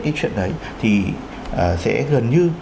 cái chuyện đấy thì sẽ gần như